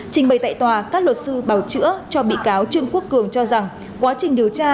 trình bày tại tòa các luật sư bảo chữa cho bị cáo trương quốc cường cho rằng quá trình điều tra